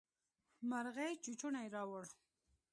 مرغۍ چوچوڼی راووړ.